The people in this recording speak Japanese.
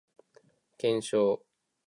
検証